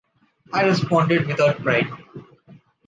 I responded without pride: